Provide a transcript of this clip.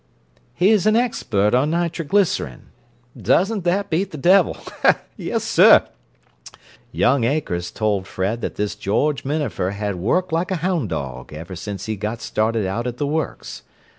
"He's an expert on nitroglycerin. Doesn't that beat the devil! Yes, sir! Young Akers told Fred that this George Minafer had worked like a houn' dog ever since he got started out at the works.